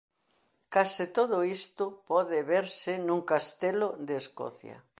Case todo isto pode verse nun castelo de Escocia.